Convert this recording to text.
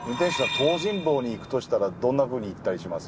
東尋坊に行くとしたらどんなふうに行ったりします？